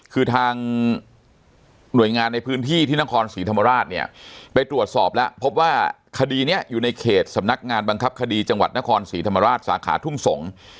คือทางหน่วยงานในพื้นที่ที่นครศรีธรรมราชเนี่ยไปตรวจสอบแล้วพบว่าคดีนี้อยู่ในเขตสำนักงานบังคับคดีจังหวัดนครศรีธรรมราชสาขาทุ่งสงศ์